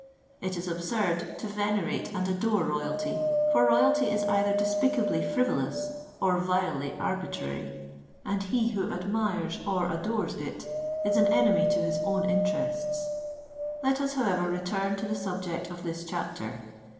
It is absurd to venerate and adore Royalty; for Royalty is either despicably frivolous, or vilely arbitrary:—and he who admires or adores it, is an enemy to his own interests. Let us, however, return to the subject of this chapter.